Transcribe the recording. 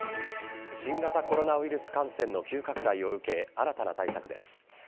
新型コロナウイルス感染の急拡大を受け、新たな対策です。